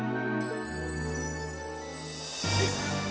jangan k manipulate